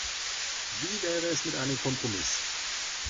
Wie wäre es mit einem Kompromiss?